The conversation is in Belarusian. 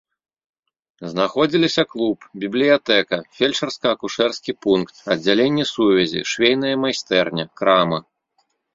Знаходзіліся клуб, бібліятэка, фельчарска-акушэрскі пункт, аддзяленне сувязі, швейная майстэрня, крама.